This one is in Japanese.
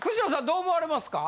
どう思われますか？